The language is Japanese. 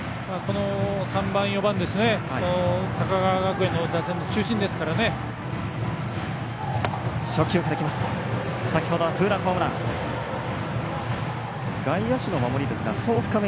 高川学園の打線の中心ですからね。